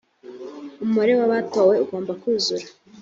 umubare w’abatowe ugomba kuzura